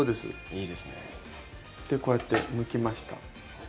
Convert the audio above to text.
でこうやってむきました。